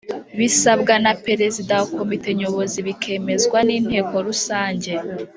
Bisabwa na Perezida wa Komite Nyobozi bikemezwa n’Inteko Rusange